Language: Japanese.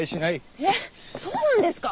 えっそうなんですかぁ⁉